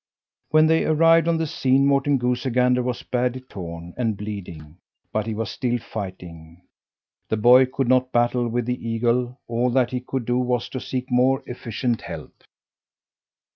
When they arrived on the scene Morten Goosey Gander was badly torn, and bleeding, but he was still fighting. The boy could not battle with the eagle; all that he could do was to seek more efficient help.